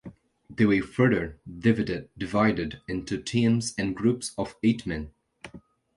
They were further divided into teams and groups of eight men.